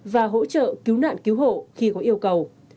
và hỗ trợ cứu nạn cứu hộ khi có yêu cầu